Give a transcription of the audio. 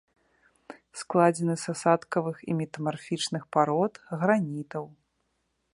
Складзены з асадкавых і метамарфічных парод, гранітаў.